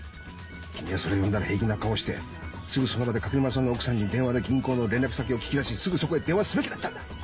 君はそれを読んだら平気な顔してすぐその場で垣沼さんの奥さんに電話で銀行の連絡先を聞き出しすぐそこへ電話すべきだったんだ！